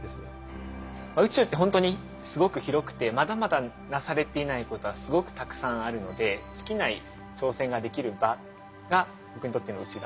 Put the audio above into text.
宇宙ってほんとにすごく広くてまだまだなされていないことはすごくたくさんあるので尽きない挑戦ができる場が僕にとっての宇宙だと思ってます。